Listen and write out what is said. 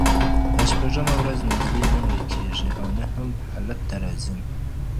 په شپږمه ورځ نجلۍ نه مړه کېږي او نه هم ښه حالت ته راځي.